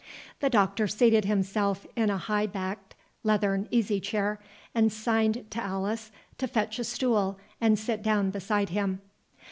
The Doctor seated himself in a high backed leathern easy chair, and signed to Alice to fetch a stool and sit down beside him.